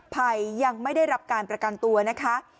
ภัยยังไม่ได้รับการประกันตัวนะคะ